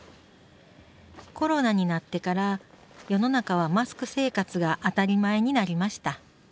コロナになってから世の中はマスク生活が当たり前になりました。